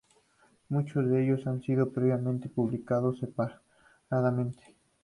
Muchos de ellos han sido previamente publicados separadamente.